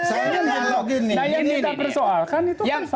nah yang kita persoalkan itu kan fakta